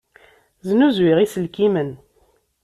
Snuzuyeɣ iselkimen.